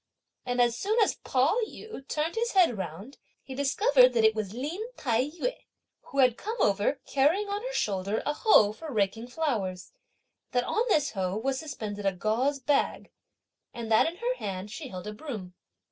and as soon as Pao yü turned his head round, he discovered that it was Lin Tai yü, who had come over carrying on her shoulder a hoe for raking flowers, that on this hoe was suspended a gauze bag, and that in her hand she held a broom.